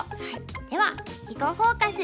では「囲碁フォーカス」